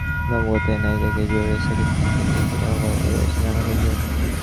নবাগত এই নায়িকাকে জড়িয়ে শাকিব খানকে নিয়ে সিনেমাপাড়ায় রয়েছে নানা গুঞ্জন।